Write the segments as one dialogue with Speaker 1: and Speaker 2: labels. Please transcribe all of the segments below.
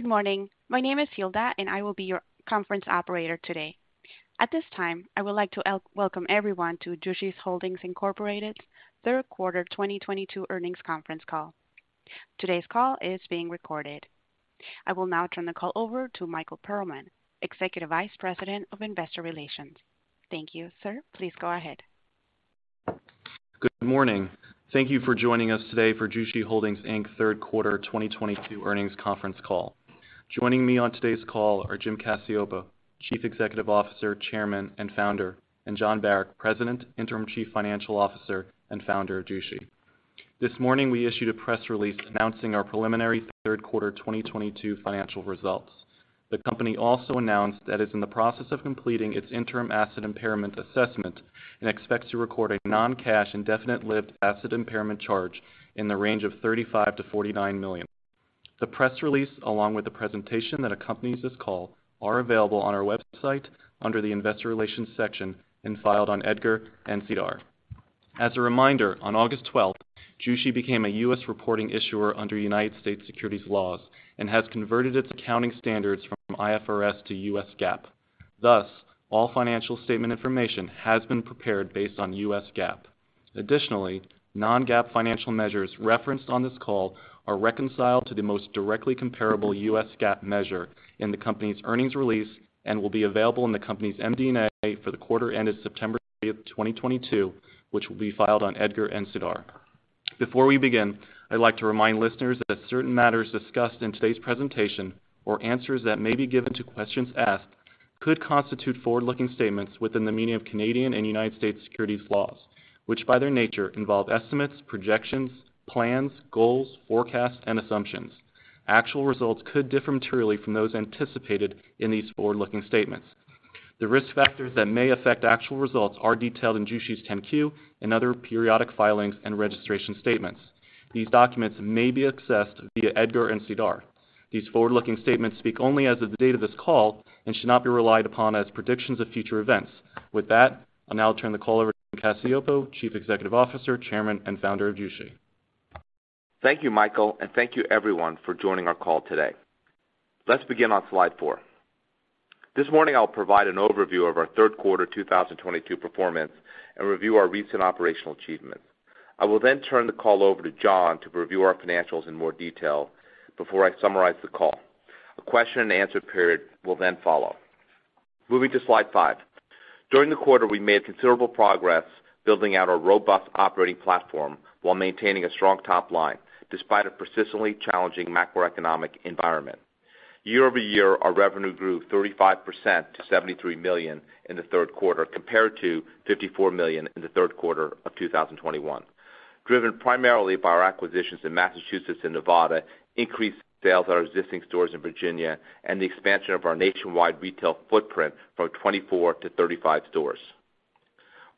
Speaker 1: Good morning. My name is Hilda, and I will be your conference operator today. At this time, I would like to welcome everyone to Jushi Holdings Inc.'s third quarter 2022 earnings conference call. Today's call is being recorded. I will now turn the call over to Michael Perlman, Executive Vice President of Investor Relations. Thank you, sir. Please go ahead.
Speaker 2: Good morning. Thank you for joining us today for Jushi Holdings Inc third quarter 2022 earnings conference call. Joining me on today's call are Jim Cacioppo, Chief Executive Officer, Chairman, and Founder, and Jon Barack, President, Interim Chief Financial Officer, and Founder of Jushi. This morning, we issued a press release announcing our preliminary third quarter 2022 financial results. The company also announced that it's in the process of completing its interim asset impairment assessment and expects to record a non-cash indefinite-lived asset impairment charge in the range of $35 million-$49 million. The press release, along with the presentation that accompanies this call, are available on our website under the investor relations section and filed on EDGAR and SEDAR. As a reminder, on August 12th, Jushi became a U.S. reporting issuer under United States securities laws and has converted its accounting standards from IFRS to U.S. GAAP. Thus, all financial statement information has been prepared based on U.S. GAAP. Additionally, non-GAAP financial measures referenced on this call are reconciled to the most directly comparable U.S. GAAP measure in the company's earnings release and will be available in the company's MD&A for the quarter ended September 30th, 2022, which will be filed on EDGAR and SEDAR. Before we begin, I'd like to remind listeners that certain matters discussed in today's presentation or answers that may be given to questions asked could constitute forward-looking statements within the meaning of Canadian and United States securities laws, which, by their nature, involve estimates, projections, plans, goals, forecasts, and assumptions. Actual results could differ materially from those anticipated in these forward-looking statements. The risk factors that may affect actual results are detailed in Jushi's 10-Q and other periodic filings and registration statements. These documents may be accessed via EDGAR and SEDAR. These forward-looking statements speak only as of the date of this call and should not be relied upon as predictions of future events. With that, I'll now turn the call over to Cacioppo, Chief Executive Officer, Chairman, and Founder of Jushi.
Speaker 3: Thank you, Michael, and thank you everyone for joining our call today. Let's begin on slide 4. This morning, I'll provide an overview of our third quarter 2022 performance and review our recent operational achievements. I will then turn the call over to Jon to review our financials in more detail before I summarize the call. A question and answer period will then follow. Moving to slide 5. During the quarter, we made considerable progress building out our robust operating platform while maintaining a strong top line despite a persistently challenging macroeconomic environment. Year-over-year, our revenue grew 35% to $73 million in the third quarter compared to $54 million in the third quarter of 2021, driven primarily by our acquisitions in Massachusetts and Nevada, increased sales at our existing stores in Virginia, and the expansion of our nationwide retail footprint from 24 to 35 stores.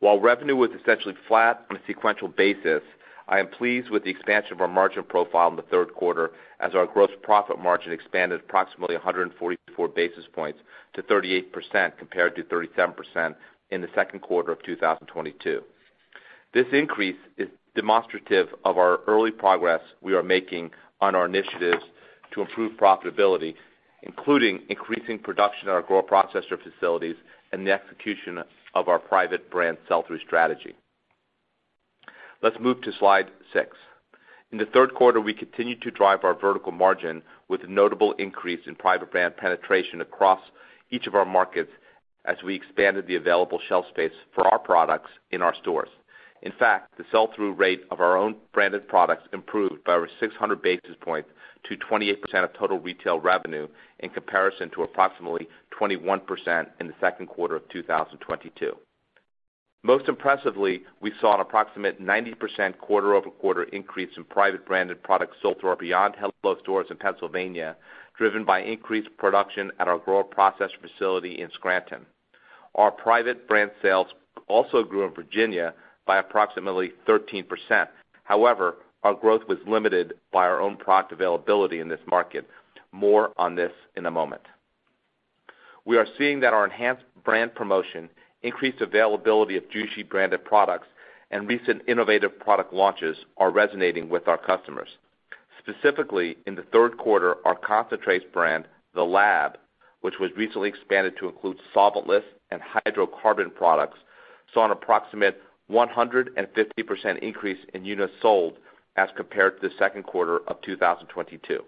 Speaker 3: While revenue was essentially flat on a sequential basis, I am pleased with the expansion of our margin profile in the third quarter as our gross profit margin expanded approximately 144 basis points to 38% compared to 37% in the second quarter of 2022. This increase is demonstrative of our early progress we are making on our initiatives to improve profitability, including increasing production at our grow processor facilities and the execution of our private brand sell-through strategy. Let's move to slide 6. In the third quarter, we continued to drive our vertical margin with a notable increase in private brand penetration across each of our markets as we expanded the available shelf space for our products in our stores. In fact, the sell-through rate of our own branded products improved by over 600 basis points to 28% of total retail revenue in comparison to approximately 21% in the second quarter of 2022. Most impressively, we saw an approximate 90% quarter-over-quarter increase in private branded products sold through our BEYOND / HELLO stores in Pennsylvania, driven by increased production at our grow process facility in Scranton. Our private brand sales also grew in Virginia by approximately 13%. However, our growth was limited by our own product availability in this market. More on this in a moment. We are seeing that our enhanced brand promotion, increased availability of Jushi branded products, and recent innovative product launches are resonating with our customers. Specifically, in the third quarter, our concentrates brand, The Lab, which was recently expanded to include solventless and hydrocarbon products, saw an approximate 150% increase in units sold as compared to the second quarter of 2022.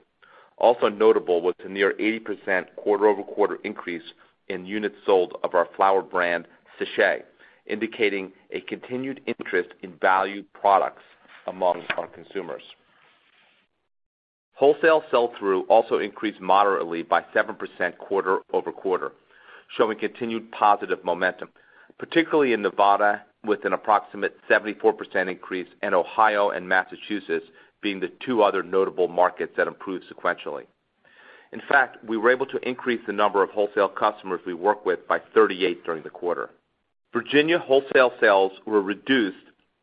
Speaker 3: Also notable was the near 80% quarter-over-quarter increase in units sold of our flower brand, Sèche, indicating a continued interest in value products among our consumers. Wholesale sell-through also increased moderately by 7% quarter-over-quarter, showing continued positive momentum, particularly in Nevada, with an approximate 74% increase in Ohio and Massachusetts being the two other notable markets that improved sequentially. In fact, we were able to increase the number of wholesale customers we work with by 38 during the quarter. Virginia wholesale sales were reduced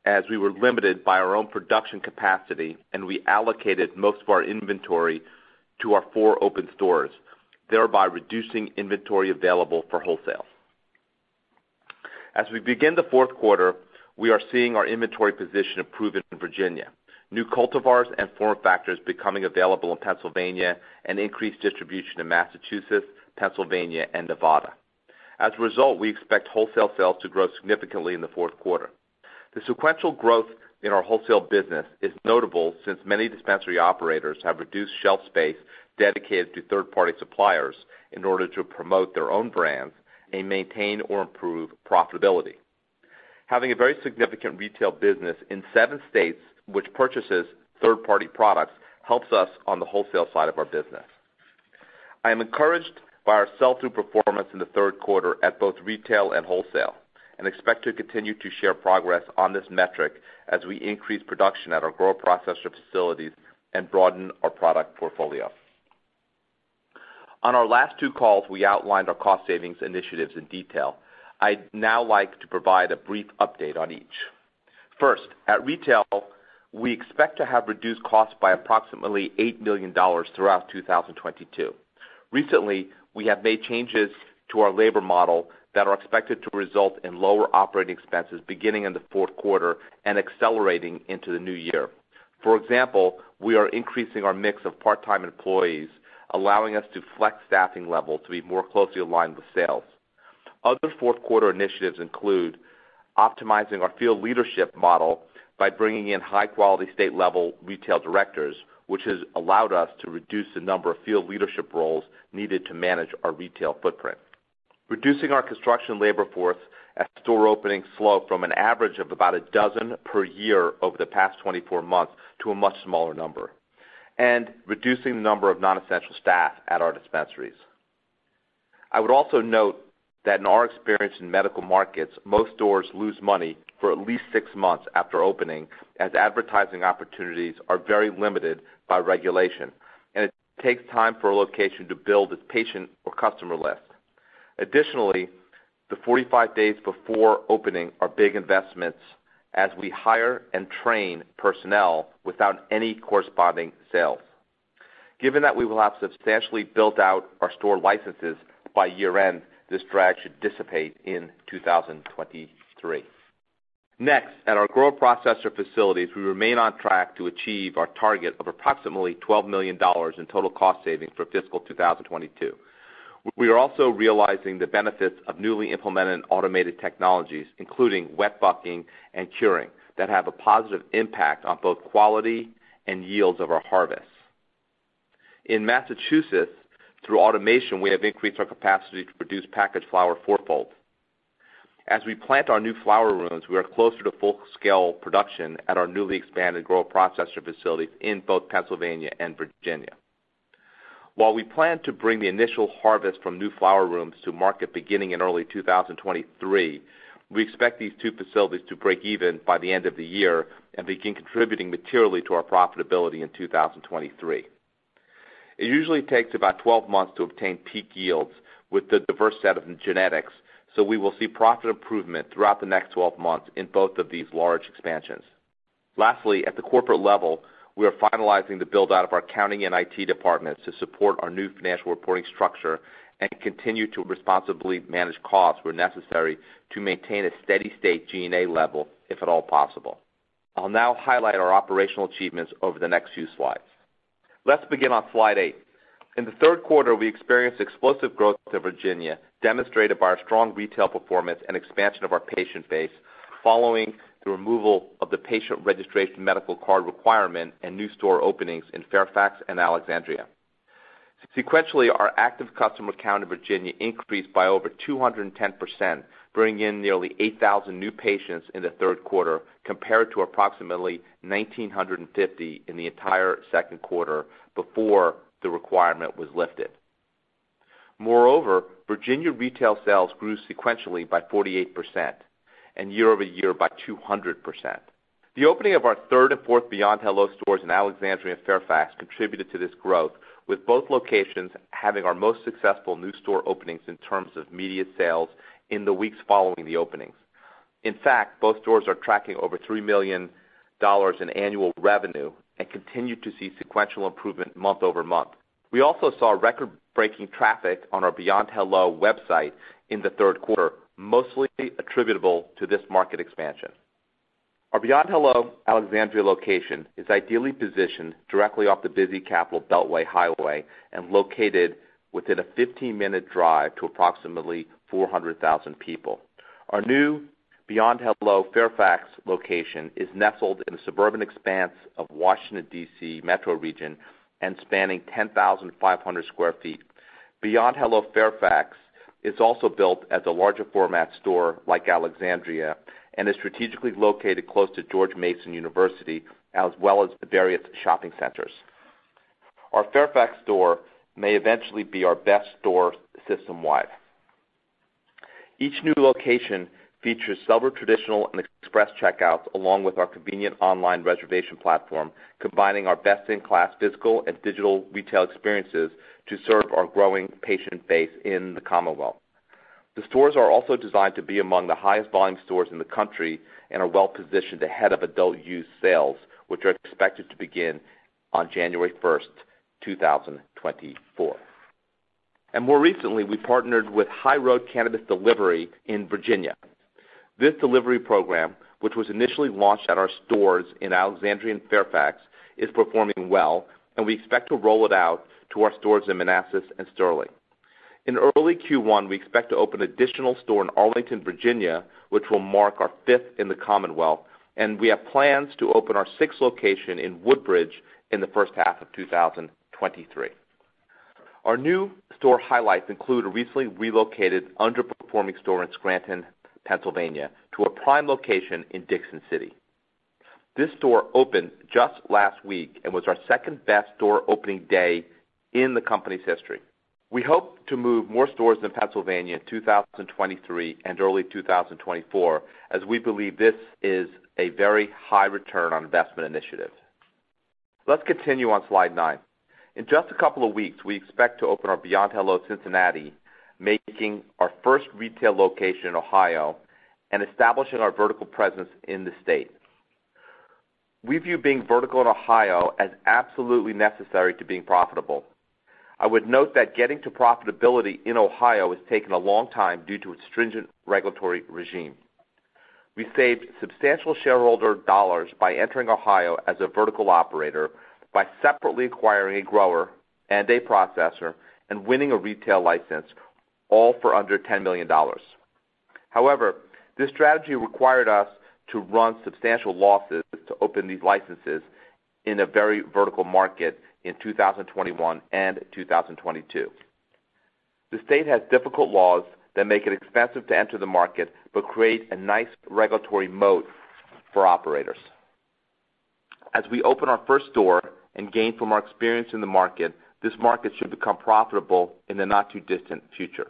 Speaker 3: as we were limited by our own production capacity, and we allocated most of our inventory to our four open stores, thereby reducing inventory available for wholesale. As we begin the fourth quarter, we are seeing our inventory position improve in Virginia, new cultivars and form factors becoming available in Pennsylvania, and increased distribution in Massachusetts, Pennsylvania, and Nevada. As a result, we expect wholesale sales to grow significantly in the fourth quarter. The sequential growth in our wholesale business is notable since many dispensary operators have reduced shelf space dedicated to third-party suppliers in order to promote their own brands and maintain or improve profitability. Having a very significant retail business in seven states which purchases third-party products helps us on the wholesale side of our business. I am encouraged by our sell-through performance in the third quarter at both retail and wholesale, and expect to continue to share progress on this metric as we increase production at our grow processor facilities and broaden our product portfolio. On our last two calls, we outlined our cost savings initiatives in detail. I'd now like to provide a brief update on each. First, at retail, we expect to have reduced costs by approximately $8 million throughout 2022. Recently, we have made changes to our labor model that are expected to result in lower operating expenses beginning in the fourth quarter and accelerating into the new year. For example, we are increasing our mix of part-time employees, allowing us to flex staffing levels to be more closely aligned with sales. Other fourth quarter initiatives include optimizing our field leadership model by bringing in high-quality state-level retail directors, which has allowed us to reduce the number of field leadership roles needed to manage our retail footprint, reducing our construction labor force as store openings slow from an average of about 12 per year over the past 24 months to a much smaller number, and reducing the number of non-essential staff at our dispensaries. I would also note that in our experience in medical markets, most stores lose money for at least six months after opening, as advertising opportunities are very limited by regulation, and it takes time for a location to build its patient or customer list. Additionally, the 45 days before opening are big investments as we hire and train personnel without any corresponding sales. Given that we will have substantially built out our store licenses by year-end, this drag should dissipate in 2023. Next, at our grow processor facilities, we remain on track to achieve our target of approximately $12 million in total cost savings for fiscal 2022. We are also realizing the benefits of newly implemented automated technologies, including wet bucking and curing, that have a positive impact on both quality and yields of our harvests. In Massachusetts, through automation, we have increased our capacity to produce packaged flower fourfold. As we plant our new flower rooms, we are closer to full-scale production at our newly expanded grow processor facilities in both Pennsylvania and Virginia. While we plan to bring the initial harvest from new flower rooms to market beginning in early 2023, we expect these two facilities to break even by the end of the year and begin contributing materially to our profitability in 2023. It usually takes about 12 months to obtain peak yields with the diverse set of genetics, so we will see profit improvement throughout the next 12 months in both of these large expansions. Lastly, at the corporate level, we are finalizing the build-out of our accounting and IT departments to support our new financial reporting structure and continue to responsibly manage costs where necessary to maintain a steady state G&A level if at all possible. I'll now highlight our operational achievements over the next few slides. Let's begin on slide 8. In the third quarter, we experienced explosive growth in Virginia, demonstrated by our strong retail performance and expansion of our patient base following the removal of the patient registration medical card requirement and new store openings in Fairfax and Alexandria. Sequentially, our active customer count in Virginia increased by over 210%, bringing in nearly 8,000 new patients in the third quarter, compared to approximately 1,950 in the entire second quarter before the requirement was lifted. Moreover, Virginia retail sales grew sequentially by 48% and year-over-year by 200%. The opening of our third and fourth BEYOND / HELLO stores in Alexandria and Fairfax contributed to this growth, with both locations having our most successful new store openings in terms of immediate sales in the weeks following the openings. In fact, both stores are tracking over $3 million in annual revenue and continue to see sequential improvement month-over-month. We also saw record-breaking traffic on our BEYOND / HELLO website in the third quarter, mostly attributable to this market expansion. Our BEYOND / HELLO Alexandria location is ideally positioned directly off the busy Capital Beltway highway and located within a 15-minute drive to approximately 400,000 people. Our new BEYOND / HELLO Fairfax location is nestled in the suburban expanse of Washington, D.C. metro region and spanning 10,500 sq ft. BEYOND / HELLO Fairfax is also built as a larger format store like Alexandria and is strategically located close to George Mason University, as well as various shopping centers. Our Fairfax store may eventually be our best store system-wide. Each new location features several traditional and express checkouts along with our convenient online reservation platform, combining our best-in-class physical and digital retail experiences to serve our growing patient base in the Commonwealth. The stores are also designed to be among the highest volume stores in the country and are well-positioned ahead of adult use sales, which are expected to begin on January 1st, 2024. More recently, we partnered with High Road Cannabis Delivery in Virginia. This delivery program, which was initially launched at our stores in Alexandria and Fairfax, is performing well, and we expect to roll it out to our stores in Manassas and Sterling. In early Q1, we expect to open an additional store in Arlington, Virginia, which will mark our fifth in the Commonwealth, and we have plans to open our sixth location in Woodbridge in the first half of 2023. Our new store highlights include a recently relocated underperforming store in Scranton, Pennsylvania, to a prime location in Dickson City. This store opened just last week and was our second-best store opening day in the company's history. We hope to move more stores in Pennsylvania in 2023 and early 2024, as we believe this is a very high return on investment initiative. Let's continue on slide 9. In just a couple of weeks, we expect to open our BEYOND / HELLO Cincinnati, making our first retail location in Ohio and establishing our vertical presence in the state. We view being vertical in Ohio as absolutely necessary to being profitable. I would note that getting to profitability in Ohio has taken a long time due to its stringent regulatory regime. We saved substantial shareholder dollars by entering Ohio as a vertical operator by separately acquiring a grower and a processor and winning a retail license, all for under $10 million. However, this strategy required us to run substantial losses to open these licenses in a very vertical market in 2021 and 2022. The state has difficult laws that make it expensive to enter the market but create a nice regulatory moat for operators. As we open our first store and gain from our experience in the market, this market should become profitable in the not-too-distant future.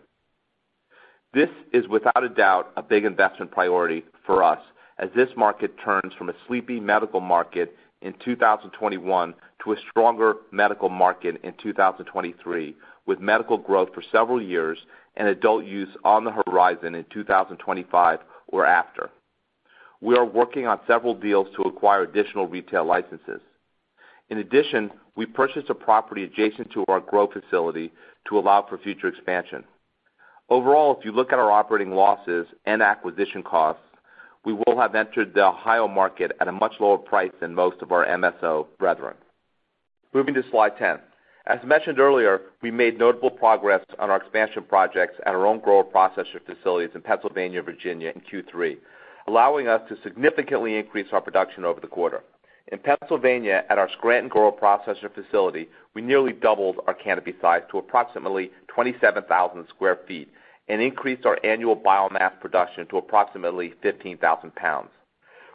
Speaker 3: This is without a doubt a big investment priority for us as this market turns from a sleepy medical market in 2021 to a stronger medical market in 2023, with medical growth for several years and adult use on the horizon in 2025 or after. We are working on several deals to acquire additional retail licenses. In addition, we purchased a property adjacent to our grow facility to allow for future expansion. Overall, if you look at our operating losses and acquisition costs, we will have entered the Ohio market at a much lower price than most of our MSO brethren. Moving to slide 10. As mentioned earlier, we made notable progress on our expansion projects at our own grow processor facilities in Pennsylvania, Virginia in Q3, allowing us to significantly increase our production over the quarter. In Pennsylvania, at our Scranton grow processor facility, we nearly doubled our canopy size to approximately 27,000 sq ft and increased our annual biomass production to approximately 15,000 lbs.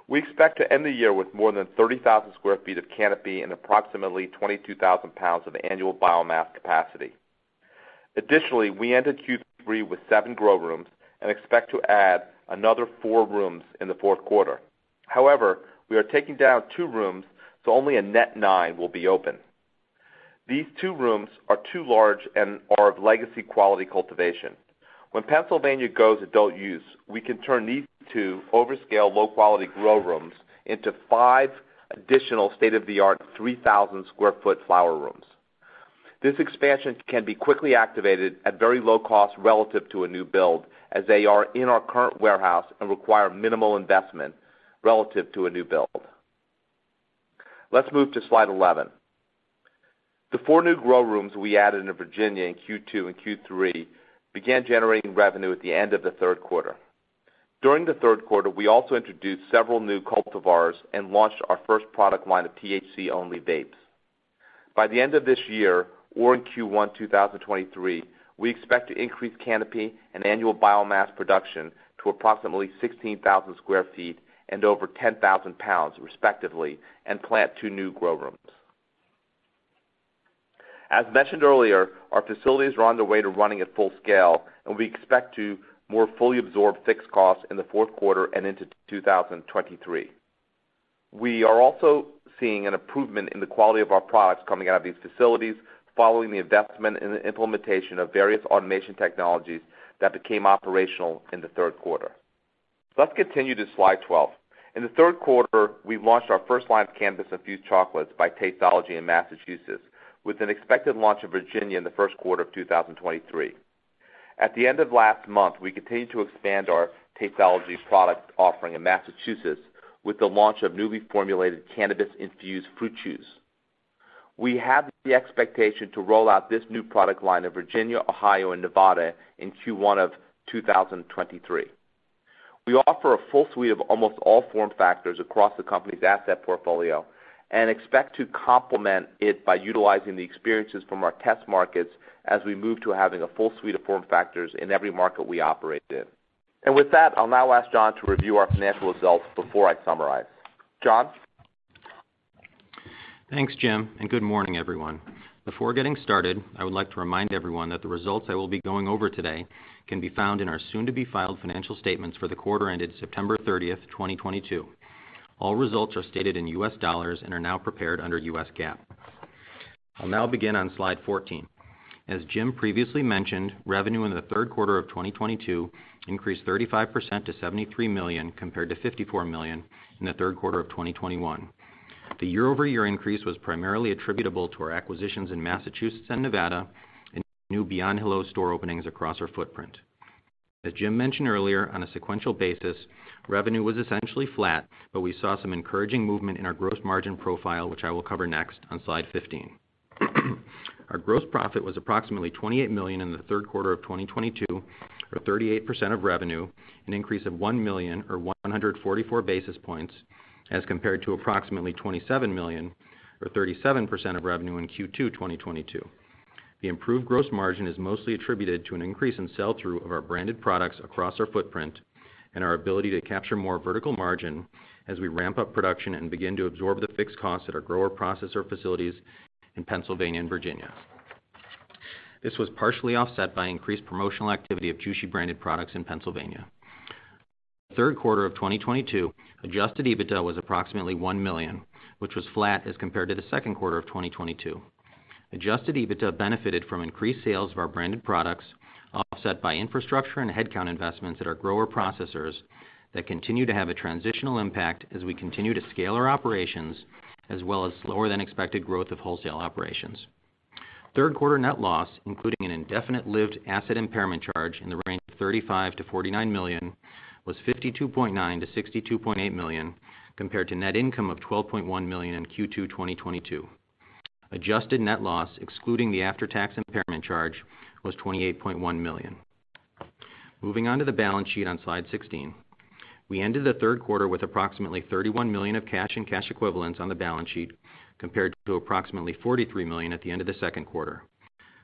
Speaker 3: We expect to end the year with more than 30,000 sq ft of canopy and approximately 22,000 lbs of annual biomass capacity. Additionally, we ended Q3 with seven grow rooms and expect to add another four rooms in the fourth quarter. However, we are taking down two rooms, so only a net nine will be open. These two rooms are too large and are of legacy quality cultivation. When Pennsylvania goes adult use, we can turn these two overscale, low-quality grow rooms into five additional state-of-the-art 3,000 sq ft flower rooms. This expansion can be quickly activated at very low cost relative to a new build, as they are in our current warehouse and require minimal investment relative to a new build. Let's move to slide 11. The four new grow rooms we added in Virginia in Q2 and Q3 began generating revenue at the end of the third quarter. During the third quarter, we also introduced several new cultivars and launched our first product line of THC-only vapes. By the end of this year or in Q1 2023, we expect to increase canopy and annual biomass production to approximately 16,000 sq ft and over 10,000 lbs, respectively, and plant two new grow rooms. As mentioned earlier, our facilities are on the way to running at full scale, and we expect to more fully absorb fixed costs in the fourth quarter and into 2023. We are also seeing an improvement in the quality of our products coming out of these facilities following the investment in the implementation of various automation technologies that became operational in the third quarter. Let's continue to slide 12. In the third quarter, we launched our first line of cannabis-infused chocolates by Tasteology in Massachusetts, with an expected launch in Virginia in the first quarter of 2023. At the end of last month, we continued to expand our Tasteology product offering in Massachusetts with the launch of newly formulated cannabis-infused fruit juice. We have the expectation to roll out this new product line in Virginia, Ohio, and Nevada in Q1 of 2023. We offer a full suite of almost all form factors across the company's asset portfolio and expect to complement it by utilizing the experiences from our test markets as we move to having a full suite of form factors in every market we operate in. With that, I'll now ask Jon to review our financial results before I summarize. Jon?
Speaker 4: Thanks, Jim, and good morning, everyone. Before getting started, I would like to remind everyone that the results I will be going over today can be found in our soon-to-be-filed financial statements for the quarter ended September 30th, 2022. All results are stated in U.S. dollars and are now prepared under U.S. GAAP. I'll now begin on slide 14. As Jim previously mentioned, revenue in the third quarter of 2022 increased 35% to $73 million, compared to $54 million in the third quarter of 2021. The year-over-year increase was primarily attributable to our acquisitions in Massachusetts and Nevada and new BEYOND / HELLO store openings across our footprint. As Jim mentioned earlier, on a sequential basis, revenue was essentially flat, but we saw some encouraging movement in our gross margin profile, which I will cover next on slide 15. Our gross profit was approximately $28 million in the third quarter of 2022, or 38% of revenue, an increase of $1 million or 144 basis points as compared to approximately $27 million or 37% of revenue in Q2 2022. The improved gross margin is mostly attributed to an increase in sell-through of our branded products across our footprint and our ability to capture more vertical margin as we ramp up production and begin to absorb the fixed costs at our grower-processor facilities in Pennsylvania and Virginia. This was partially offset by increased promotional activity of Jushi branded products in Pennsylvania. Third quarter of 2022, adjusted EBITDA was approximately $1 million, which was flat as compared to the second quarter of 2022. Adjusted EBITDA benefited from increased sales of our branded products, offset by infrastructure and headcount investments at our grower-processors that continue to have a transitional impact as we continue to scale our operations as well as slower than expected growth of wholesale operations. Third quarter net loss, including an indefinite lived asset impairment charge in the range of $35-$49 million, was $52.9-$62.8 million compared to net income of $12.1 million in Q2 2022. Adjusted net loss, excluding the after-tax impairment charge, was $28.1 million. Moving on to the balance sheet on slide 16. We ended the third quarter with approximately $31 million of cash and cash equivalents on the balance sheet, compared to approximately $43 million at the end of the second quarter.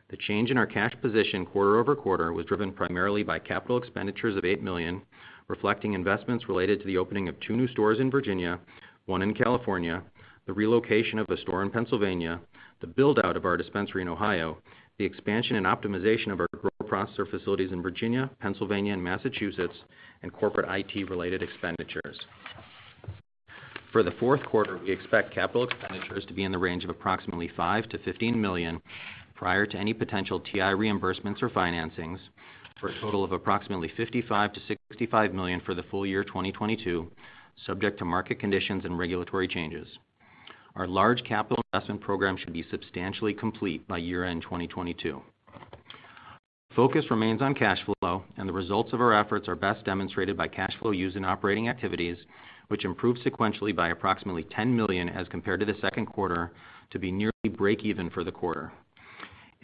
Speaker 4: The change in our cash position quarter-over-quarter was driven primarily by capital expenditures of $8 million, reflecting investments related to the opening of two new stores in Virginia, one in California, the relocation of a store in Pennsylvania, the build-out of our dispensary in Ohio, the expansion and optimization of our grower-processor facilities in Virginia, Pennsylvania, and Massachusetts, and corporate IT-related expenditures. For the fourth quarter, we expect capital expenditures to be in the range of approximately $5-$15 million prior to any potential TI reimbursements or financings, for a total of approximately $55-$65 million for the full year 2022, subject to market conditions and regulatory changes. Our large capital investment program should be substantially complete by year-end 2022. Focus remains on cash flow, and the results of our efforts are best demonstrated by cash flow used in operating activities, which improved sequentially by approximately $10 million as compared to the second quarter to be nearly break even for the quarter.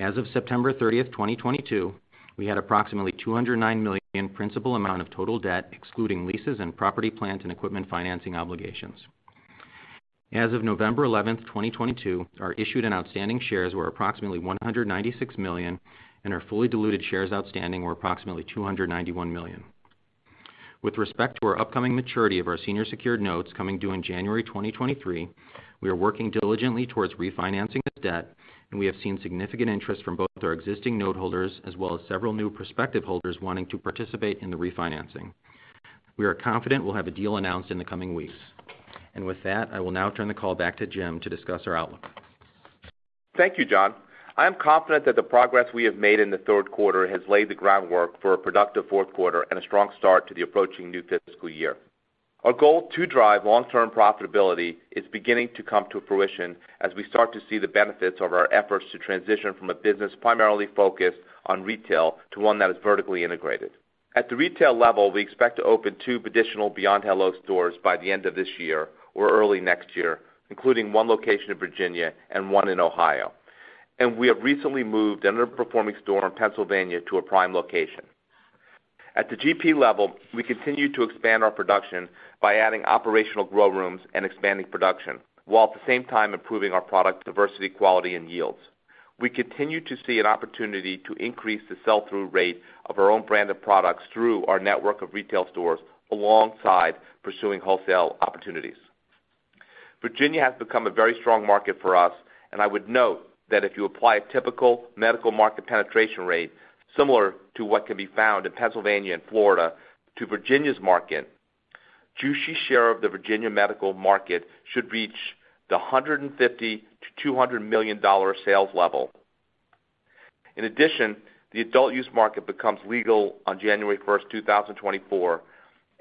Speaker 4: As of September 30th, 2022, we had approximately $209 million principal amount of total debt, excluding leases and property, plant, and equipment financing obligations. As of November 11th, 2022, our issued and outstanding shares were approximately 196 million, and our fully diluted shares outstanding were approximately 291 million. With respect to our upcoming maturity of our senior secured notes coming due in January 2023, we are working diligently towards refinancing this debt, and we have seen significant interest from both our existing note holders as well as several new prospective holders wanting to participate in the refinancing. We are confident we'll have a deal announced in the coming weeks. With that, I will now turn the call back to Jim Cacioppo to discuss our outlook.
Speaker 3: Thank you, Jon. I am confident that the progress we have made in the third quarter has laid the groundwork for a productive fourth quarter and a strong start to the approaching new fiscal year. Our goal to drive long-term profitability is beginning to come to fruition as we start to see the benefits of our efforts to transition from a business primarily focused on retail to one that is vertically integrated. At the retail level, we expect to open two additional BEYOND / HELLO stores by the end of this year or early next year, including one location in Virginia and one in Ohio. We have recently moved an underperforming store in Pennsylvania to a prime location. At the GP level, we continue to expand our production by adding operational grow rooms and expanding production, while at the same time improving our product diversity, quality, and yields. We continue to see an opportunity to increase the sell-through rate of our own brand of products through our network of retail stores alongside pursuing wholesale opportunities. Virginia has become a very strong market for us, and I would note that if you apply a typical medical market penetration rate, similar to what can be found in Pennsylvania and Florida to Virginia's market, Jushi share of the Virginia medical market should reach the $150 million-$200 million sales level. In addition, the adult use market becomes legal on January 1st, 2024,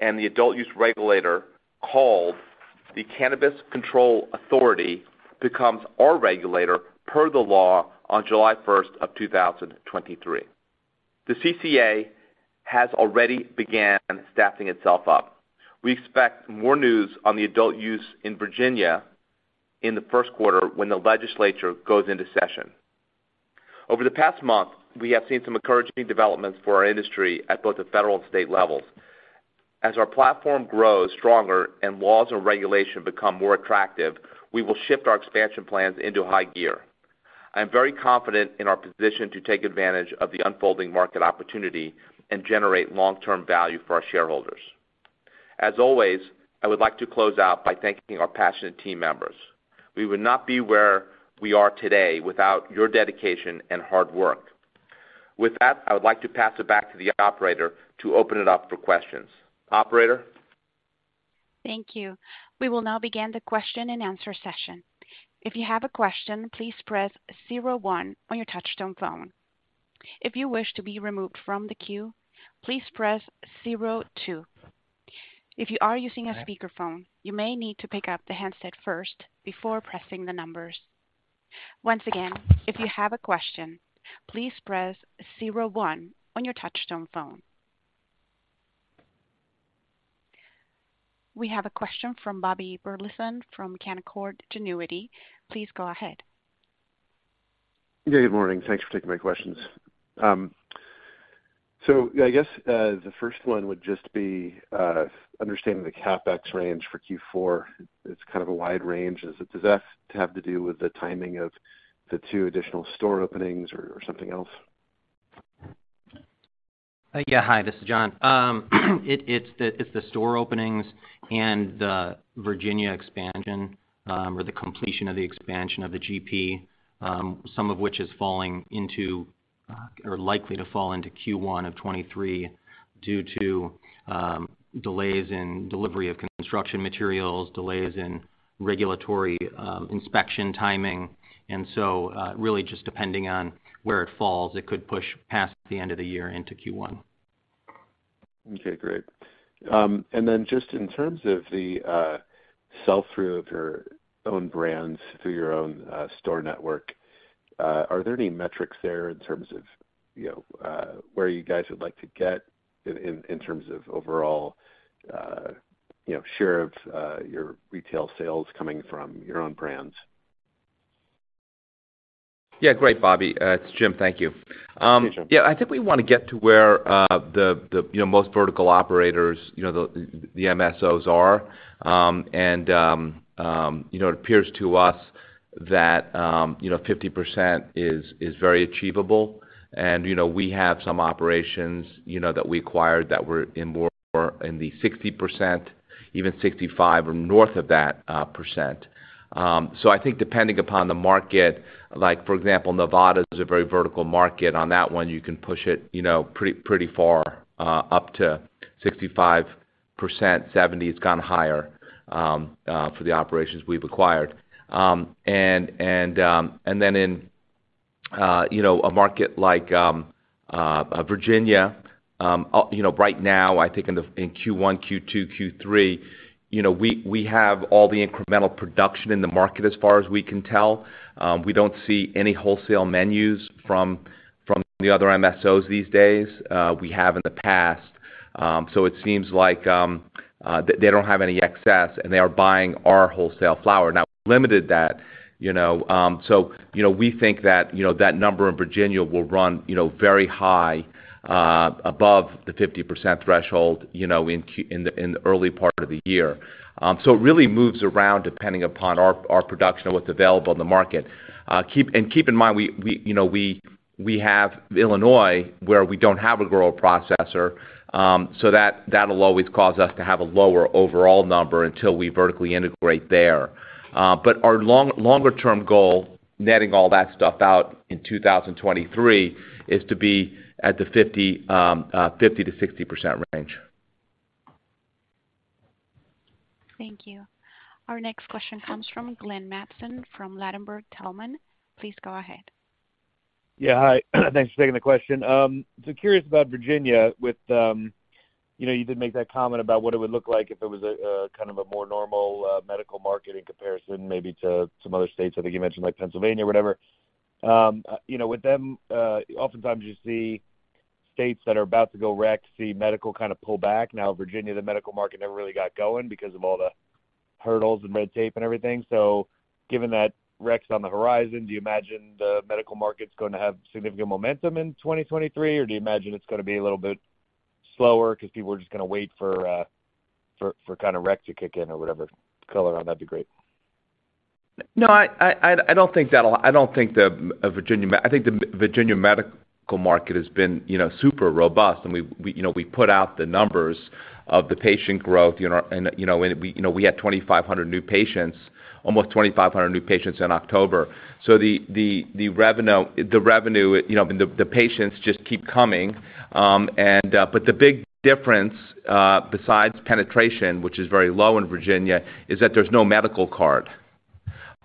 Speaker 3: and the adult use regulator, called the Cannabis Control Authority, becomes our regulator per the law on July 1st, 2023. The CCA has already began staffing itself up. We expect more news on the adult use in Virginia in the first quarter when the legislature goes into session. Over the past month, we have seen some encouraging developments for our industry at both the federal and state levels. As our platform grows stronger and laws and regulation become more attractive, we will shift our expansion plans into high gear. I am very confident in our position to take advantage of the unfolding market opportunity and generate long-term value for our shareholders. As always, I would like to close out by thanking our passionate team members. We would not be where we are today without your dedication and hard work. With that, I would like to pass it back to the operator to open it up for questions. Operator?
Speaker 1: Thank you. We will now begin the question-and-answer session. If you have a question, please press zero one on your touch-tone phone. If you wish to be removed from the queue, please press zero two. If you are using a speakerphone, you may need to pick up the handset first before pressing the numbers. Once again, if you have a question, please press zero one on your touch-tone phone. We have a question from Bobby Burleson from Canaccord Genuity. Please go ahead.
Speaker 5: Yeah, good morning. Thanks for taking my questions. I guess the first one would just be understanding the CapEx range for Q4. It's kind of a wide range. Does that have to do with the timing of the two additional store openings or something else?
Speaker 4: Yeah. Hi, this is Jon. It's the store openings and the Virginia expansion, or the completion of the expansion of the GP, some of which is falling into or are likely to fall into Q1 of 2023 due to delays in delivery of construction materials, delays in regulatory inspection timing. Really just depending on where it falls, it could push past the end of the year into Q1.
Speaker 5: Okay, great. Just in terms of the sell through of your own brands through your own store network, are there any metrics there in terms of, you know, where you guys would like to get in terms of overall, you know, share of your retail sales coming from your own brands?
Speaker 3: Yeah. Great, Bobby. It's Jim. Thank you.
Speaker 5: Thank you, Jim.
Speaker 3: Yeah, I think we want to get to where the most vertical operators, you know, the MSOs are. It appears to us that 50% is very achievable. We have some operations that we acquired that were in more in the 60%, even 65% or north of that percent. I think depending upon the market, like for example, Nevada is a very vertical market. On that one, you can push it pretty far up to 65%, 70%. It's gone higher for the operations we've acquired. Then in you know a market like Virginia you know right now I think in Q1, Q2, Q3 you know we have all the incremental production in the market as far as we can tell. We don't see any wholesale menus from the other MSOs these days. We have in the past. It seems like they don't have any excess, and they are buying our wholesale flower. Now, we limited that, you know. You know, we think that you know that number in Virginia will run you know very high above the 50% threshold you know in early part of the year. It really moves around depending upon our production and what's available in the market. Keep in mind, you know, we have Illinois, where we don't have a grow processor, so that'll always cause us to have a lower overall number until we vertically integrate there. Our longer term goal, netting all that stuff out in 2023, is to be at the 50%-60% range.
Speaker 1: Thank you. Our next question comes from Glenn Mattson from Ladenburg Thalmann. Please go ahead.
Speaker 6: Yeah. Hi. Thanks for taking the question. So curious about Virginia with, you know, you did make that comment about what it would look like if it was a kind of a more normal medical market in comparison maybe to some other states. I think you mentioned like Pennsylvania or whatever. You know, with them, oftentimes you see states that are about to go rec see medical kind of pull back. Now, Virginia, the medical market never really got going because of all the hurdles and red tape and everything. Given that rec's on the horizon, do you imagine the medical market's going to have significant momentum in 2023, or do you imagine it's gonna be a little bit slower because people are just gonna wait for kind of rec to kick in or whatever? Color on that'd be great.
Speaker 3: No, I don't think the Virginia medical market has been, you know, super robust. We put out the numbers of the patient growth, you know, and we had almost 2,500 new patients in October. The revenue, the patients just keep coming. But the big difference, besides penetration, which is very low in Virginia, is that there's no medical card.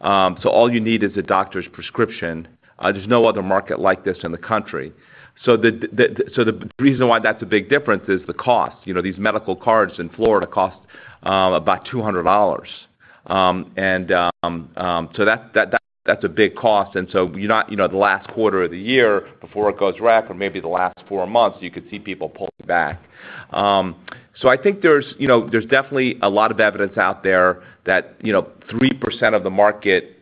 Speaker 3: So all you need is a doctor's prescription. There's no other market like this in the country. So the reason why that's a big difference is the cost. You know, these medical cards in Florida cost about $200. That's a big cost. You're not, you know, the last quarter of the year before it goes rec or maybe the last four months. You could see people pulling back. I think there's, you know, there's definitely a lot of evidence out there that, you know, 3% of the market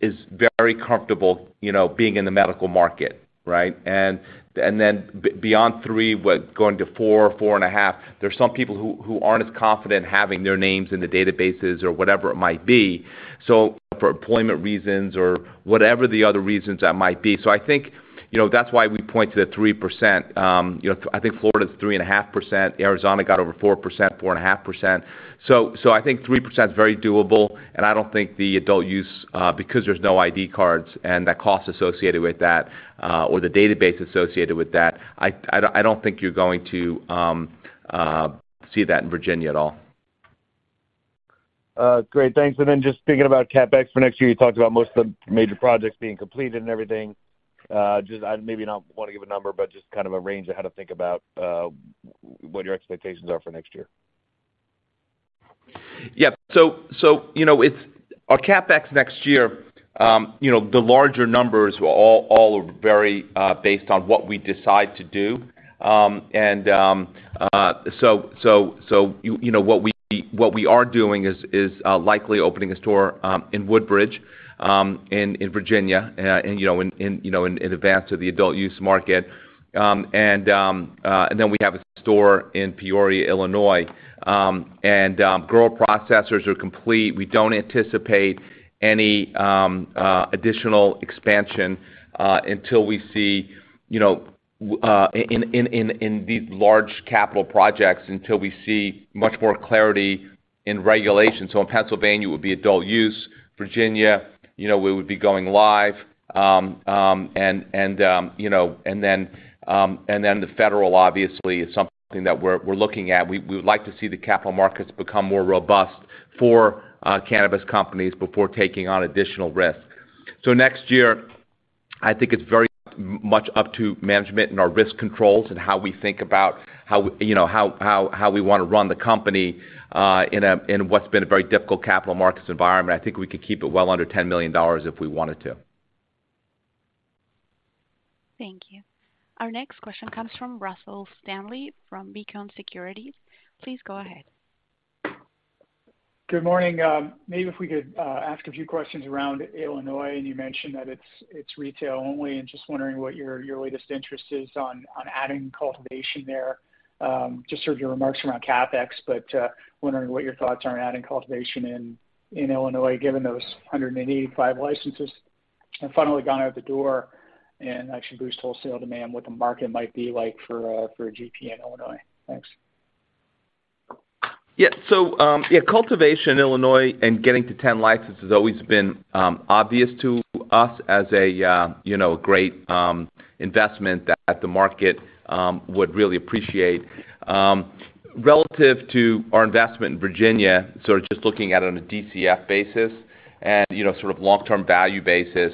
Speaker 3: is very comfortable, you know, being in the medical market, right? And then beyond three, going to 4.5, there's some people who aren't as confident having their names in the databases or whatever it might be, so for employment reasons or whatever the other reasons that might be. I think, you know, that's why we point to the 3%. You know, I think Florida's 3.5%. Arizona got over 4%, 4.5%. I think 3% is very doable. I don't think the adult use, because there's no ID cards and the cost associated with that, or the database associated with that, I don't think you're going to see that in Virginia at all.
Speaker 6: Great. Thanks. Then just thinking about CapEx for next year, you talked about most of the major projects being completed and everything. Just, maybe you don't wanna give a number, but just kind of a range of how to think about, what your expectations are for next year.
Speaker 3: Yeah. You know, it's our CapEx next year. You know, the larger numbers will all vary based on what we decide to do. You know what we are doing is likely opening a store in Woodbridge, Virginia and you know in advance of the adult-use market and then we have a store in Peoria, Illinois. Grow processors are complete. We don't anticipate any additional expansion until we see you know in these large capital projects until we see much more clarity in regulation. In Pennsylvania, it would be adult-use. Virginia, you know, we would be going live. The federal obviously is something that we're looking at. We would like to see the capital markets become more robust for cannabis companies before taking on additional risk. Next year, I think it's very much up to management and our risk controls and how we think about how, you know, how we wanna run the company in what's been a very difficult capital markets environment. I think we could keep it well under $10 million if we wanted to.
Speaker 1: Thank you. Our next question comes from Russell Stanley from Beacon Securities. Please go ahead.
Speaker 7: Good morning. Maybe if we could ask a few questions around Illinois, and you mentioned that it's retail only. Just wondering what your latest interest is on adding cultivation there. Just heard your remarks around CapEx, but wondering what your thoughts are on adding cultivation in Illinois, given those 185 licenses. Finally, gone out the door and actually boost wholesale demand, what the market might be like for a GP in Illinois. Thanks.
Speaker 3: Yeah. Yeah, cultivation in Illinois and getting to 10 licenses has always been obvious to us as a you know, great investment that the market would really appreciate. Relative to our investment in Virginia, sort of just looking at it on a DCF basis and you know, sort of long-term value basis,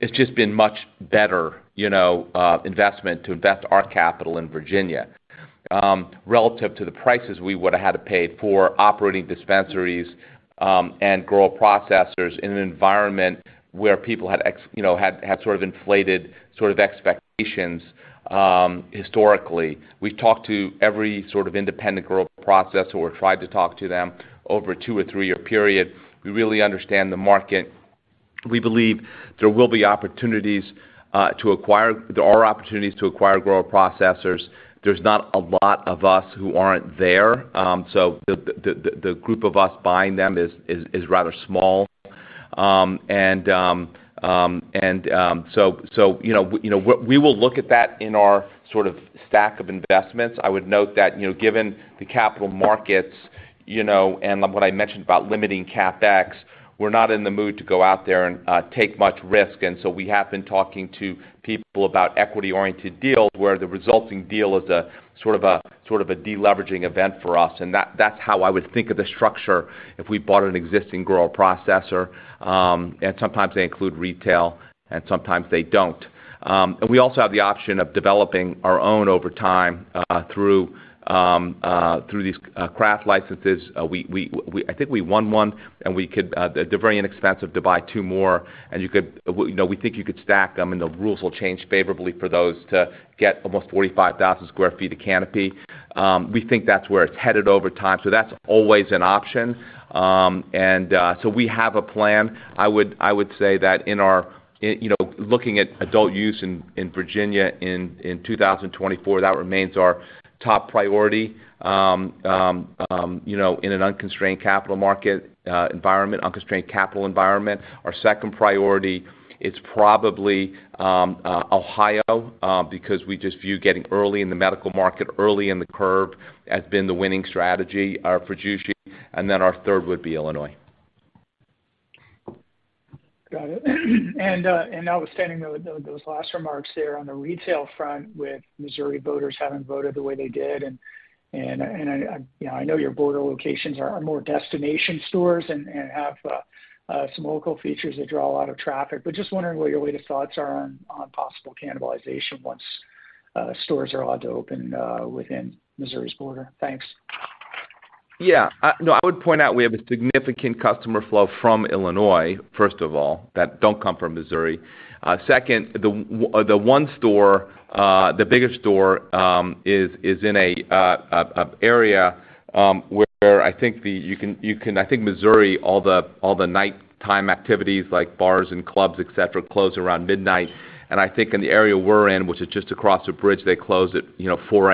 Speaker 3: it's just been much better you know, investment to invest our capital in Virginia relative to the prices we would've had to pay for operating dispensaries and grow processors in an environment where people had you know, had sort of inflated sort of expectations historically. We've talked to every sort of independent grow processor or tried to talk to them over a two- or three-year period. We really understand the market. We believe there will be opportunities to acquire. There are opportunities to acquire grow processors. There's not a lot of us who aren't there, so the group of us buying them is rather small. You know, we will look at that in our sort of stack of investments. I would note that, you know, given the capital markets, you know, and what I mentioned about limiting CapEx, we're not in the mood to go out there and take much risk. We have been talking to people about equity-oriented deals where the resulting deal is a sort of a deleveraging event for us. That's how I would think of the structure if we bought an existing grow processor. Sometimes they include retail, and sometimes they don't. We also have the option of developing our own over time, through these craft licenses. We think we won one, and we could, they're very inexpensive to buy two more. We think you could stack them, and the rules will change favorably for those to get almost 45,000 sq ft of canopy. We think that's where it's headed over time, so that's always an option. We have a plan. I would say that, you know, looking at adult use in Virginia in 2024, that remains our top priority, you know, in an unconstrained capital market environment. Our second priority, it's probably Ohio, because we just view getting early in the medical market, early in the curve as being the winning strategy for Jushi. Our third would be Illinois.
Speaker 7: Got it. Notwithstanding those last remarks there on the retail front with Missouri voters having voted the way they did, you know, I know your border locations are more destination stores and have some local features that draw a lot of traffic. Just wondering what your latest thoughts are on possible cannibalization once stores are allowed to open within Missouri's border. Thanks.
Speaker 3: Yeah. No, I would point out we have a significant customer flow from Illinois, first of all, that don't come from Missouri. Second, the one store, the biggest store, is in an area where I think Missouri, all the nighttime activities like bars and clubs, et cetera, close around midnight. I think in the area we're in, which is just across the bridge, they close at, you know, 4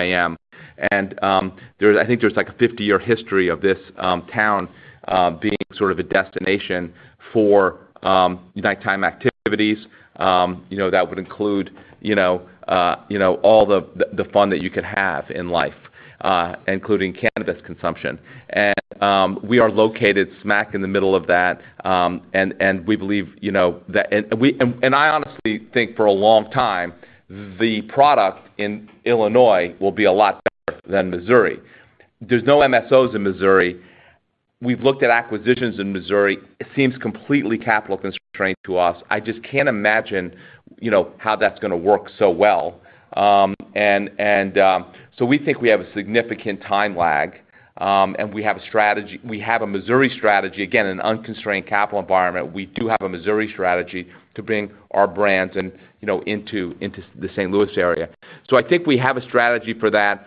Speaker 3: A.M. There's like a 50-year history of this town being sort of a destination for nighttime activities, you know, that would include, you know, all the fun that you could have in life, including cannabis consumption. We are located smack in the middle of that, and we believe, you know, that. I honestly think for a long time, the product in Illinois will be a lot better than Missouri. There's no MSOs in Missouri. We've looked at acquisitions in Missouri. It seems completely capital constrained to us. I just can't imagine, you know, how that's gonna work so well. We think we have a significant time lag, and we have a strategy. We have a Missouri strategy. Again, an unconstrained capital environment. We do have a Missouri strategy to bring our brands and, you know, into the St. Louis area. I think we have a strategy for that.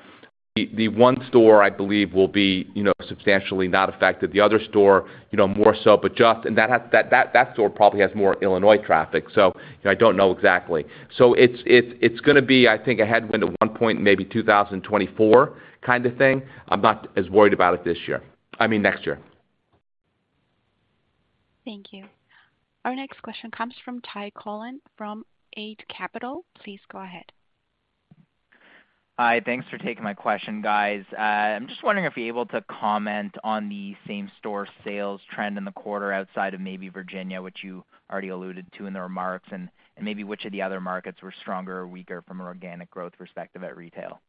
Speaker 3: The one store I believe will be, you know, substantially not affected. The other store, you know, more so, but that store probably has more Illinois traffic, so, you know, I don't know exactly. It's gonna be I think a headwind at one point, maybe 2024 kind of thing. I'm not as worried about it this year, I mean, next year.
Speaker 1: Thank you. Our next question comes from Ty Collin from Eight Capital. Please go ahead.
Speaker 8: Hi. Thanks for taking my question, guys. I'm just wondering if you're able to comment on the same-store sales trend in the quarter outside of maybe Virginia, which you already alluded to in the remarks, and maybe which of the other markets were stronger or weaker from an organic growth perspective at retail.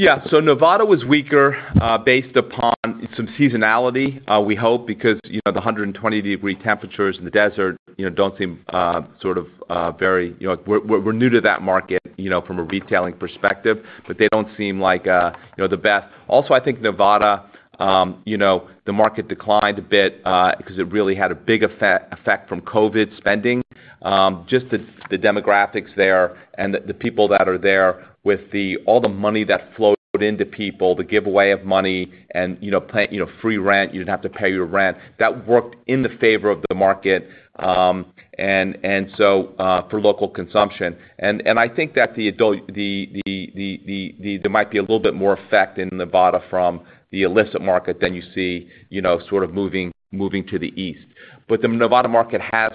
Speaker 3: Yeah. Nevada was weaker based upon some seasonality, we hope because, you know, the 120-degree temperatures in the desert, you know, don't seem sort of very. You know, we're new to that market, you know, from a retailing perspective, but they don't seem like, you know, the best. Also, I think Nevada, you know, the market declined a bit because it really had a big effect from COVID spending. Just the demographics there and the people that are there with all the money that flowed into people, the giveaway of money and, you know, pay, you know, free rent, you didn't have to pay your rent. That worked in favor of the market and so for local consumption. I think that the adult there might be a little bit more effect in Nevada from the illicit market than you see, you know, sort of moving to the east. The Nevada market has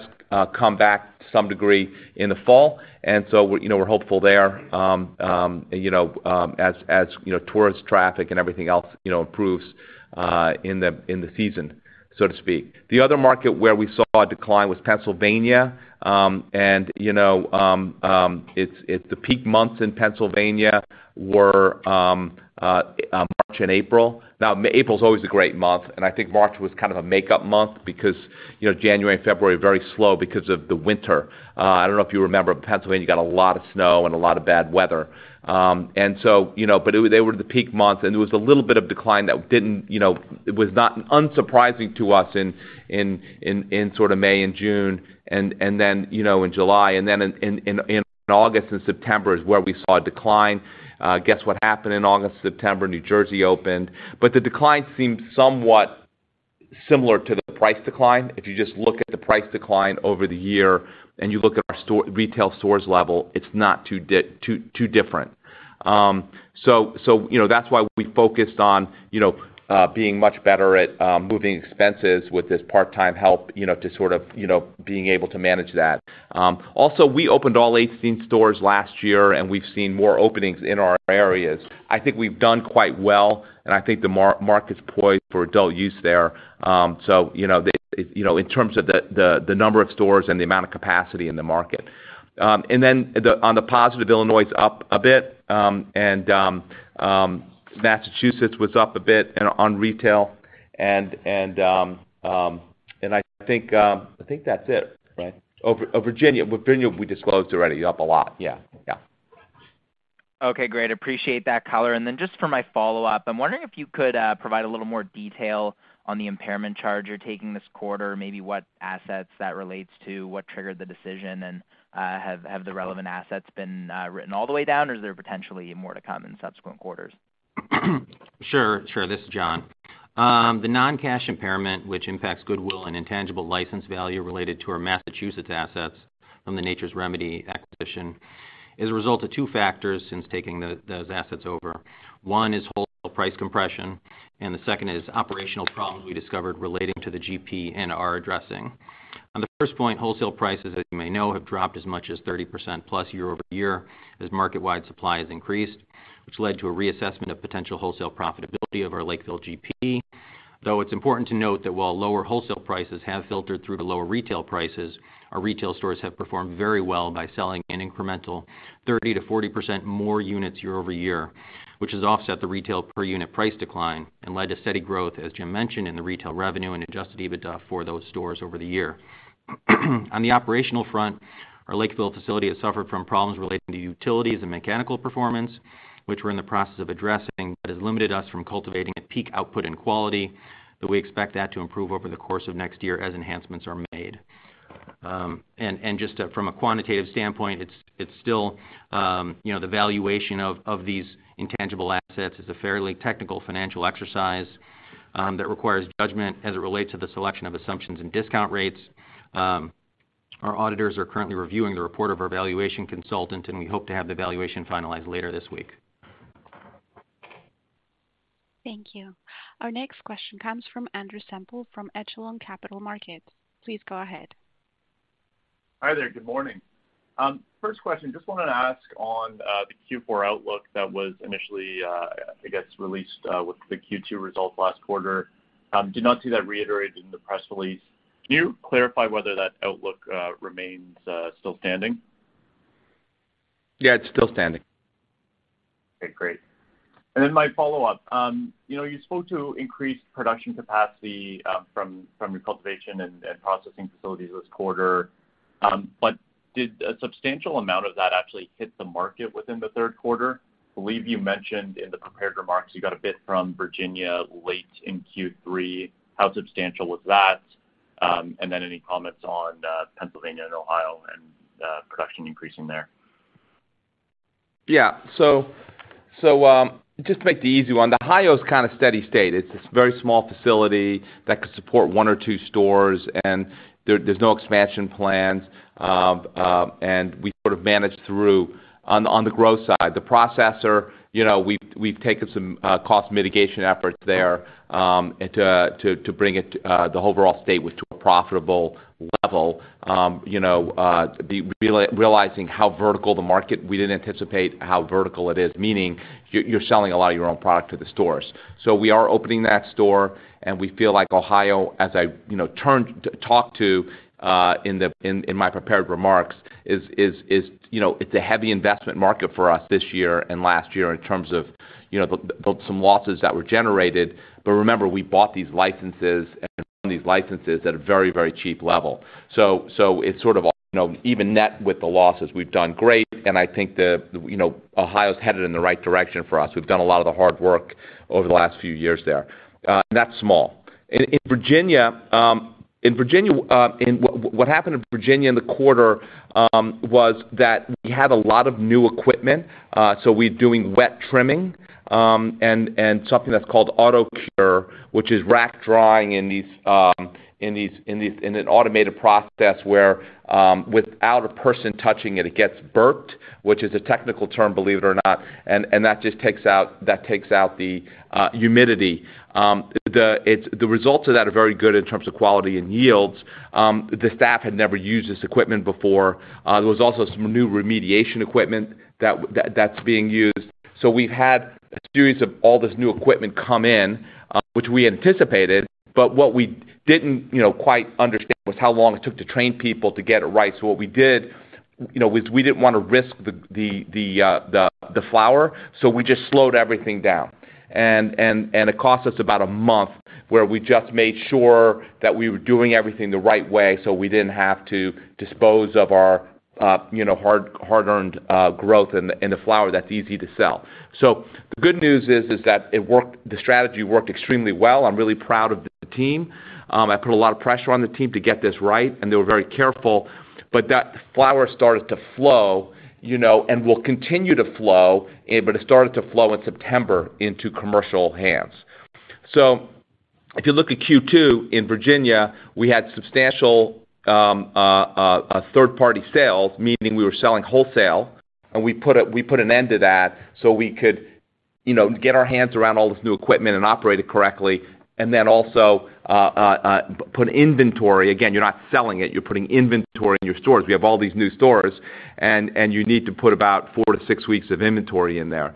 Speaker 3: come back to some degree in the fall. You know, we're hopeful there, you know, as you know, tourist traffic and everything else, you know, improves in the season, so to speak. The other market where we saw a decline was Pennsylvania. You know, the peak months in Pennsylvania were March and April. Now, April's always a great month, and I think March was kind of a makeup month because, you know, January and February are very slow because of the winter. I don't know if you remember, Pennsylvania got a lot of snow and a lot of bad weather. They were the peak months, and there was a little bit of decline that didn't, you know, it was not unsurprising to us in sort of May and June and then in July and then in August and September is where we saw a decline. Guess what happened in August, September? New Jersey opened. The decline seemed somewhat similar to the price decline. If you just look at the price decline over the year and you look at our retail stores level, it's not too different. So, you know, that's why we focused on, you know, being much better at moving expenses with this part-time help, you know, to sort of, you know, being able to manage that. Also, we opened all 18 stores last year, and we've seen more openings in our areas. I think we've done quite well, and I think the market's poised for adult use there. You know, in terms of the number of stores and the amount of capacity in the market. On the positive, Illinois is up a bit, and Massachusetts was up a bit on retail and I think that's it, right? Oh, Virginia. Virginia, we disclosed already, up a lot. Yeah. Yeah.
Speaker 8: Okay. Great. Appreciate that color. Just for my follow-up, I'm wondering if you could provide a little more detail on the impairment charge you're taking this quarter, maybe what assets that relates to, what triggered the decision, and have the relevant assets been written all the way down, or is there potentially more to come in subsequent quarters?
Speaker 4: Sure. This is Jon. The non-cash impairment, which impacts goodwill and intangible license value related to our Massachusetts assets from the Nature's Remedy acquisition, is a result of two factors since taking those assets over. One is wholesale price compression, and the second is operational problems we discovered relating to the GP and our addressing. On the first point, wholesale prices, as you may know, have dropped as much as 30%+ year-over-year as market-wide supply has increased, which led to a reassessment of potential wholesale profitability of our Lakeville GP. Though it's important to note that while lower wholesale prices have filtered through to lower retail prices, our retail stores have performed very well by selling an incremental 30%-40% more units year-over-year, which has offset the retail per unit price decline and led to steady growth, as Jim mentioned, in the retail revenue and adjusted EBITDA for those stores over the year. On the operational front, our Lakeville facility has suffered from problems relating to utilities and mechanical performance, which we're in the process of addressing, but has limited us from cultivating a peak output and quality, but we expect that to improve over the course of next year as enhancements are made. Just from a quantitative standpoint, it's still, you know, the valuation of these intangible assets is a fairly technical financial exercise that requires judgment as it relates to the selection of assumptions and discount rates. Our auditors are currently reviewing the report of our valuation consultant, and we hope to have the valuation finalized later this week.
Speaker 1: Thank you. Our next question comes from Andrew Semple from Echelon Capital Markets. Please go ahead.
Speaker 9: Hi there. Good morning. First question, just wanted to ask on the Q4 outlook that was initially, I guess, released with the Q2 results last quarter. Did not see that reiterated in the press release. Can you clarify whether that outlook remains still standing?
Speaker 3: Yeah, it's still standing.
Speaker 9: Okay, great. My follow-up. You know, you spoke to increased production capacity from your cultivation and processing facilities this quarter. Did a substantial amount of that actually hit the market within the third quarter? I believe you mentioned in the prepared remarks you got a bit from Virginia late in Q3. How substantial was that? Any comments on Pennsylvania and Ohio and production increase in there?
Speaker 3: Just to make the easy one, Ohio is kind of steady-state. It's very small facility that could support one or two stores, and there's no expansion plans, and we sort of managed through. On the growth side, the processor, you know, we've taken some cost mitigation efforts there, and to bring it the overall state with to a profitable level. You know, realizing how vertical the market, we didn't anticipate how vertical it is. Meaning you're selling a lot of your own product to the stores. We are opening that store, and we feel like Ohio, as I, you know, talked to in my prepared remarks is, you know, it's a heavy investment market for us this year and last year in terms of, you know, the some losses that were generated. Remember, we bought these licenses at a very, very cheap level. It's sort of, you know, even net with the losses, we've done great and I think the, you know, Ohio's headed in the right direction for us. We've done a lot of the hard work over the last few years there. That's small. In Virginia, in... What happened in Virginia in the quarter was that we had a lot of new equipment, so we're doing wet trimming, and something that's called AutoCure, which is rack drying in an automated process where, without a person touching it gets burped, which is a technical term, believe it or not, and that just takes out the humidity. The results of that are very good in terms of quality and yields. The staff had never used this equipment before. There was also some new remediation equipment that's being used. We've had a series of all this new equipment come in, which we anticipated, but what we didn't, you know, quite understand was how long it took to train people to get it right. What we did, you know, we didn't wanna risk the flower, so we just slowed everything down. It cost us about a month where we just made sure that we were doing everything the right way, so we didn't have to dispose of our, you know, hard-earned growth in the flower that's easy to sell. The good news is that it worked. The strategy worked extremely well. I'm really proud of the team. I put a lot of pressure on the team to get this right, and they were very careful. That flower started to flow, you know, and will continue to flow, but it started to flow in September into commercial hands. If you look at Q2 in Virginia, we had substantial third party sales, meaning we were selling wholesale, and we put an end to that so we could, you know, get our hands around all this new equipment and operate it correctly. Then also put inventory. Again, you're not selling it, you're putting inventory in your stores. We have all these new stores and you need to put about 4-6 weeks of inventory in there,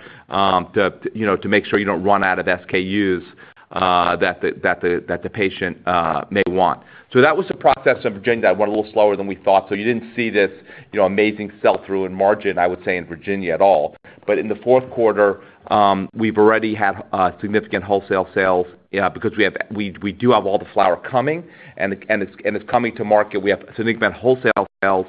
Speaker 3: you know, to make sure you don't run out of SKUs that the patient may want. That was the process in Virginia that went a little slower than we thought. You didn't see this, you know, amazing sell-through in margin, I would say, in Virginia at all. In the fourth quarter, we've already had significant wholesale sales, yeah, because we do have all the flower coming and it's coming to market. We have significant wholesale sales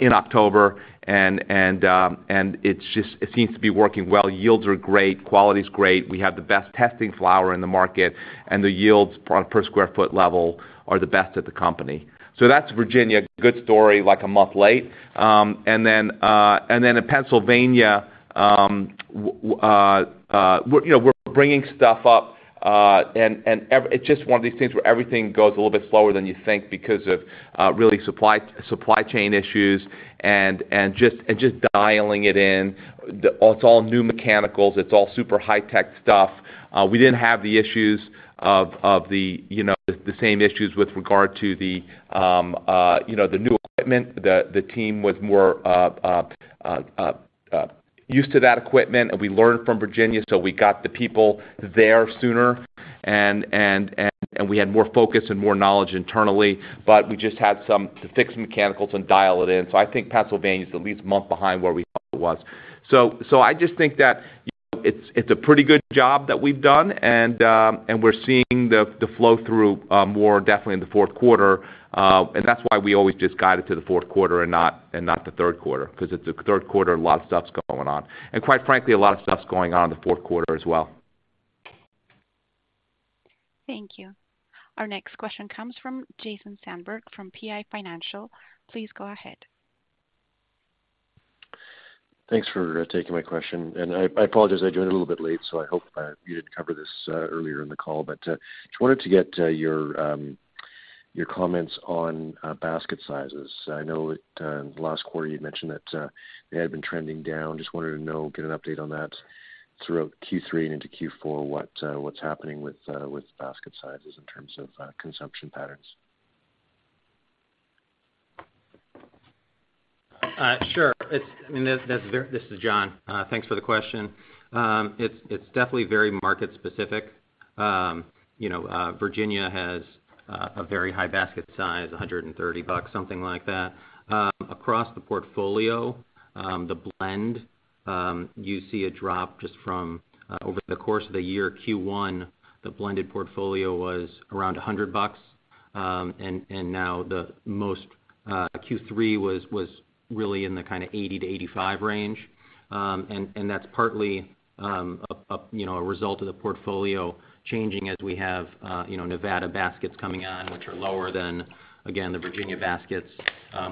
Speaker 3: in October and it's just, it seems to be working well. Yields are great, quality is great. We have the best testing flower in the market, and the yields per square foot level are the best at the company. That's Virginia. Good story, like a month late. In Pennsylvania, we're, you know, bringing stuff up, and it's just one of these things where everything goes a little bit slower than you think because of really supply chain issues and just dialing it in. It's all new mechanicals. It's all super high tech stuff. We didn't have the issues of the, you know, the same issues with regard to the, you know, the new equipment. The team was more used to that equipment and we learned from Virginia, so we got the people there sooner and we had more focus and more knowledge internally. But we just had some to fix mechanicals and dial it in. I think Pennsylvania is at least a month behind where we thought it was. I just think that it's a pretty good job that we've done and we're seeing the flow through more definitely in the fourth quarter. That's why we always just guide it to the fourth quarter not the third quarter, because it's the third quarter, a lot of stuff's going on. Quite frankly, a lot of stuff's going on in the fourth quarter as well.
Speaker 1: Thank you. Our next question comes from Jason Zandberg from PI Financial. Please go ahead.
Speaker 10: Thanks for taking my question. I apologize, I joined a little bit late, so I hope you did cover this earlier in the call. I just wanted to get your comments on basket sizes. I know that last quarter you mentioned that they had been trending down. Just wanted to get an update on that throughout Q3 and into Q4, what's happening with basket sizes in terms of consumption patterns.
Speaker 4: This is Jon. Thanks for the question. It's definitely very market specific. You know, Virginia has a very high basket size, $130, something like that. Across the portfolio, the blend, you see a drop just from over the course of the year. Q1, the blended portfolio was around $100. And now the most Q3 was really in the kinda 80-85 range. And that's partly a result of the portfolio changing as we have, you know, Nevada baskets coming on, which are lower than, again, the Virginia baskets,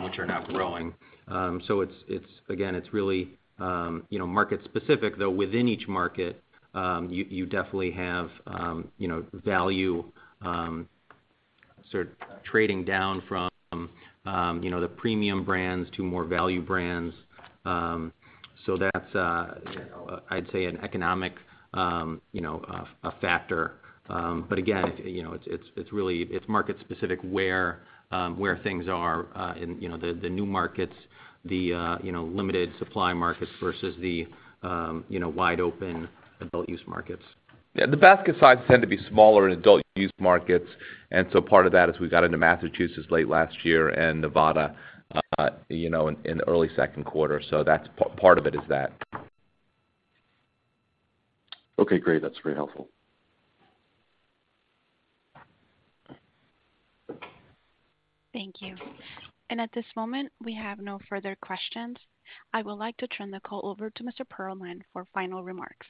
Speaker 4: which are now growing. It's again really, you know, market specific, though within each market, you definitely have, you know, value sort of trading down from, you know, the premium brands to more value brands. That's, you know, I'd say an economic, you know, a factor. Again, you know, it's really market specific where things are in, you know, the new markets, the limited supply markets versus the, you know, wide open adult-use markets.
Speaker 3: Yeah, the basket size tend to be smaller in adult-use markets, and so part of that is we got into Massachusetts late last year and Nevada, you know, in early second quarter. That's part of it.
Speaker 10: Okay, great. That's very helpful.
Speaker 1: Thank you. At this moment, we have no further questions. I would like to turn the call over to Mr. Pearlman for final remarks.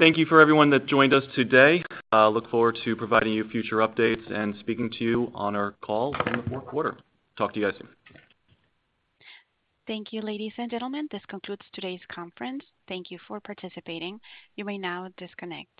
Speaker 2: Thank you for everyone that joined us today. Look forward to providing you future updates and speaking to you on our call in the fourth quarter. Talk to you guys soon.
Speaker 1: Thank you, ladies and gentlemen. This concludes today's conference. Thank you for participating. You may now disconnect.